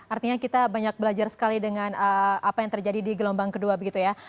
artinya kita banyak belajar sekali dengan apa yang terjadi di gelombang kedua begitu ya